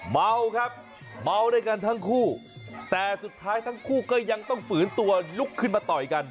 เมาครับเมาด้วยกันทั้งคู่แต่สุดท้ายทั้งคู่ก็ยังต้องฝืนตัวลุกขึ้นมาต่อยกัน